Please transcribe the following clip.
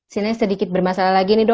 sini sedikit bermasalah lagi nih dok